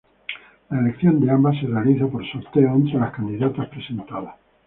La elección de ambas se realiza por sorteo entre las candidatas presentadas.